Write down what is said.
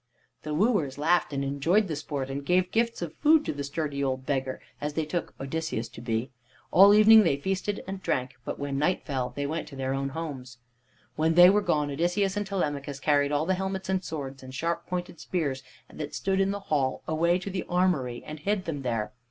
The wooers laughed and enjoyed the sport, and gave gifts of food to the sturdy old beggar, as they took Odysseus to be. All evening they feasted and drank, but when night fell they went to their own homes. When they were gone Odysseus and Telemachus carried all the helmets and swords and sharp pointed spears that stood in the hall, away to the armory and hid them there.